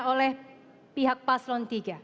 oleh pihak paslon tiga